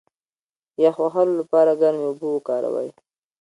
د یخ وهلو لپاره ګرمې اوبه وکاروئ